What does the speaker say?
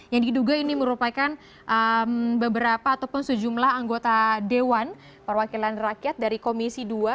yang diduga ini merupakan beberapa ataupun sejumlah anggota dewan perwakilan rakyat dari komisi dua